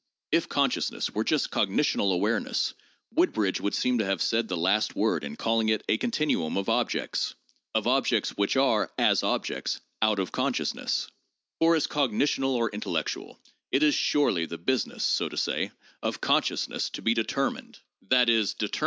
If consciousness were just cognitional awareness, Woodbridge would seem to have said the last word in callings it a 'continuum of objects'— of objects which are, as objects, out of con sciousness. For as cognitional or intellectual, it is surely the busi ness, so to say, of consciousness to be determined (that is, deter " There is much in Dr. Gordon's articles on 'Feeling' (this Joubnal, Vol. II.